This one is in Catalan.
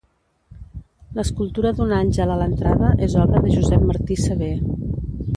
L'escultura d'un àngel a l'entrada és obra de Josep Martí Sabé.